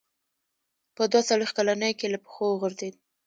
په دوه څلوېښت کلنۍ کې له پښو وغورځېد.